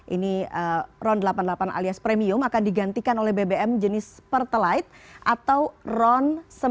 ini ron delapan puluh delapan alias premium akan digantikan oleh bbm jenis pertalite atau ron sembilan belas